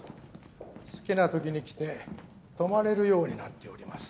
好きな時に来て泊まれるようになっております。